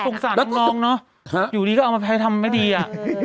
โถ่สรรคับน้องเนาะอยู่ดีก็เอามาไพร่ทำไม่ดีอะ